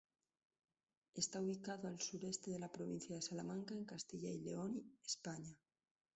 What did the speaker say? Está ubicado al sureste de la provincia de Salamanca, en Castilla y león, España.